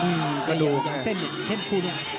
อย่างเส้นเช่นคู่เนี่ย